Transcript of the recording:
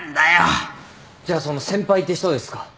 じゃあその先輩って人ですか？